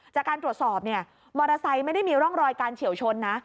จากการตรวจสอบเนี่ยมอเตอร์ไซค์ไม่ได้มีร่องรอยการเฉียวชนนะ